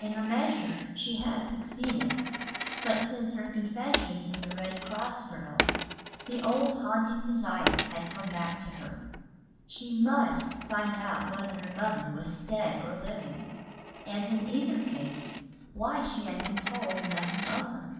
In a measure she had succeeded, but since her confession to the Red Cross girls the old haunting desire had come back to her. She must find out whether her mother was dead or living and in either case why she had been told nothing of her.